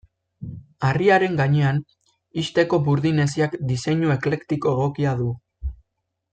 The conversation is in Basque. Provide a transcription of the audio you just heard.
Harriaren gainean, ixteko burdin-hesiak diseinu eklektiko egokia du.